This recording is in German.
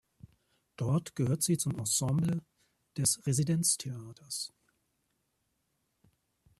Dort gehört sie zum Ensemble des Residenztheaters.